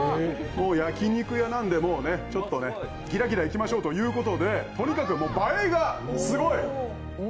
焼き肉屋なんで、ちょっとギラギラいきましょうということで、とにかく映えがすごい。